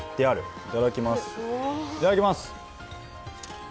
いただきます！